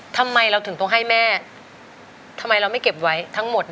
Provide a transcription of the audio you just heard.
ทำไมเราถึงต้องให้แม่ทำไมเราไม่เก็บไว้ทั้งหมด